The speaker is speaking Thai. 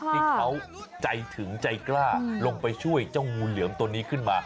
ที่เขาใจถึงใจกล้าลงไปช่วยเจ้างูเหลือมตัวนี้ขึ้นมา